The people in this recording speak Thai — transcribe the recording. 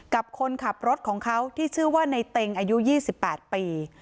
คนขับรถของเขาที่ชื่อว่าในเต็งอายุ๒๘ปี